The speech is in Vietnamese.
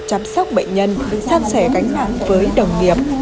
chăm sóc bệnh nhân sang sẻ gánh mạng với đồng nghiệp